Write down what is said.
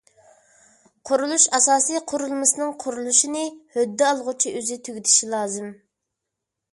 قۇرۇلۇش ئاساسىي قۇرۇلمىسىنىڭ قۇرۇلۇشىنى ھۆددە ئالغۇچى ئۆزى تۈگىتىشى لازىم.